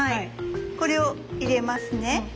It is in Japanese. これを入れますね。